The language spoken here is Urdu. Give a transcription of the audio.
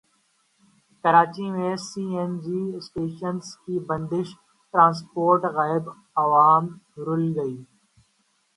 کراچی میں سی این جی اسٹیشنز کی بندش ٹرانسپورٹ غائب عوام رل گئے